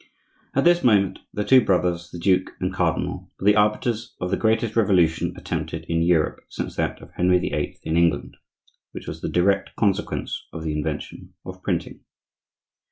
At this moment the two brothers, the duke and cardinal, were the arbiters of the greatest revolution attempted in Europe since that of Henry VIII. in England, which was the direct consequence of the invention of printing.